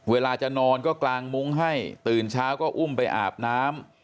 เวลาจะนอนก็กลางมุ้งให้ตื่นเช้าก็อุ้มไปอาบน้ำ